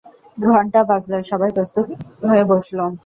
ঘণ্টা বাজলো, সবাই প্রস্তুত হয়ে বসল।